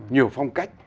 nhiều phong cách